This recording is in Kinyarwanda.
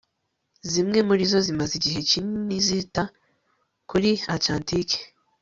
zimwe murizo zimaze igihe kinini zita kuri atlantike